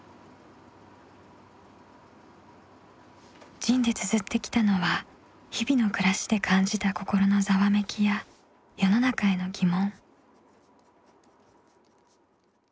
「ＺＩＮＥ」でつづってきたのは日々の暮らしで感じた心のざわめきや世の中への疑問。